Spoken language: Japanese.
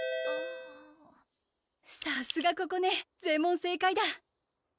さすがここね全問正解だ